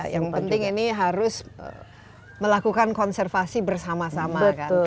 yang penting ini harus melakukan konservasi bersama sama kan